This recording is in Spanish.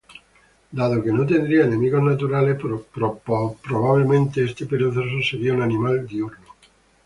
Dado que no tendría enemigos naturales, probablemente este perezoso sería un animal diurno.